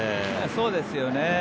そうですよね。